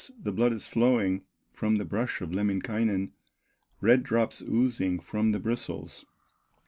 the blood is flowing From the brush of Lemminkainen, Red drops oozing from the bristles."